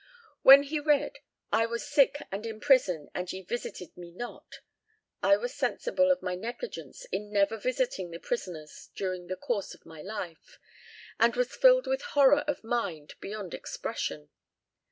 When he read 'I was sick and in prison, and ye visited me not,' I was sensible of my negligence in never visiting the prisoners during the course of my life, and was filled with horror of mind beyond expression.